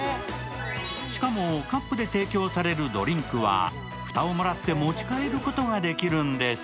しかもカップで提供されるドリンクは、蓋をもらって持ち帰ることができるんです。